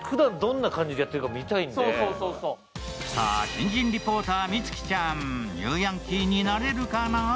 新人リポーター・美月ちゃん、ニューヤンキーになれるかな？